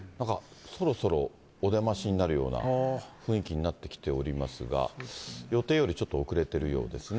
そろそろお出ましになるような雰囲気になってきておりますが、予定よりちょっと遅れてるようですね。